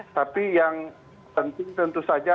tapi yang penting tentu saja